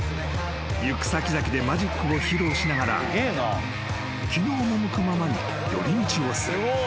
［行く先々でマジックを披露しながら気の赴くままに寄り道をする］